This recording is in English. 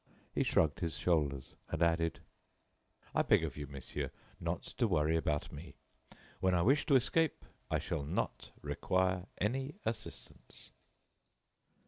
He shrugged his shoulders, and added: "I beg of you, monsieur, not to worry about me. When I wish to escape I shall not require any assistance."